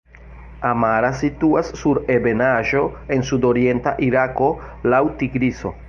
Amara situas sur ebenaĵo en sudorienta Irako laŭ Tigriso.